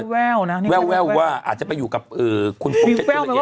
แววว่าอาจจะไปอยู่กับคุณโทษเจ็ดต้นเย็นหรือเปล่า